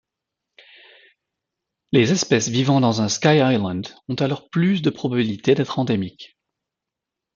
Les espèces vivant dans un sky island ont alors plus de probabilité d'être endémiques.